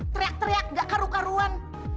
teriak teriak gak karu karuan